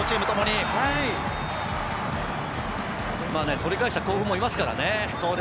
取り返した甲府もいますからね。